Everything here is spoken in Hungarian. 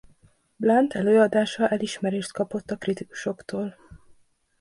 Blunt előadása elismerést kapott a kritikusoktól.